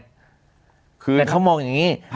แต่เขามองอย่างนี้